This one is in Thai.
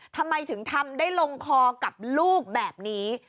ทำไมถึงทำได้ลงคอกับลูกแบบนี้